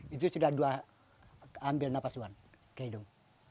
itu sudah ambil napas bu wan ke hidung